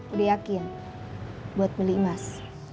udah yakin buat beli emas